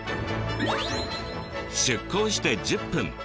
出航して１０分。